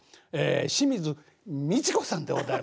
清水ミチコさんでございます。